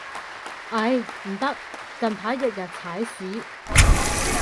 唉，唔得，近排日日踩屎